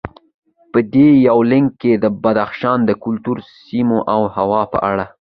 په دې یونلیک کې د بدخشان د کلتور، سیمو او هوا په اړه